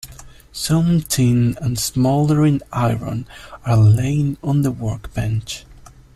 Some tin and a soldering iron are laying on the workbench.